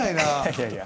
いやいや。